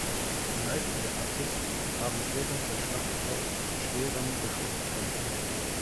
Die meisten der Abris haben während der Schlacht auch schwerem Beschuss stand gehalten.